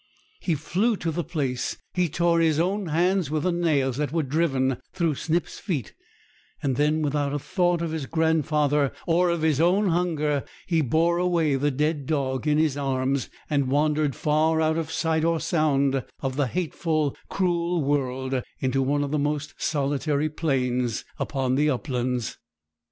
He flew to the place; he tore his own hands with the nails that were driven through Snip's feet; and then, without a thought of his grandfather or of his own hunger, he bore away the dead dog in his arms, and wandered far out of sight or sound of the hateful, cruel world, into one of the most solitary plains upon the uplands.